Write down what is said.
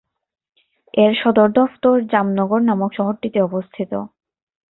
এর সদর দফতর জামনগর নামক শহরটিতে অবস্থিত।